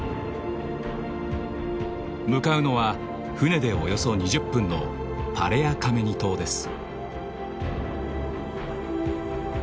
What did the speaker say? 向かうのは船でおよそ２０分のパレア・カメニ島です。